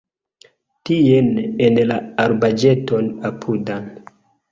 Tien, en la arbaĵeton apudan.